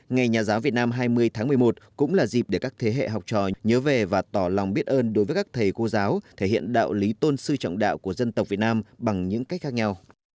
ngày nhà giáo việt nam hai mươi tháng một mươi một cũng là dịp để các thế hệ học trò nhớ về và tỏ lòng biết ơn đối với các thầy cô giáo thể hiện đạo lý tôn sư trọng đạo của dân tộc việt nam bằng những cách khác nhau